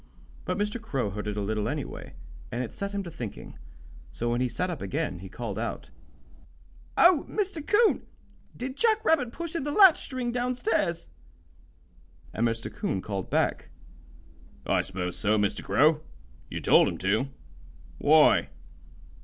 But Mr. Crow heard it a little, anyway, and it set him to thinking. So when he sat up again he called out: "Oh, Mr. 'Coon, did Jack Rabbit push in the latch string down stairs?" And Mr. 'Coon called back: "I s'pose so, Mr. Crow. You told him to. Why?"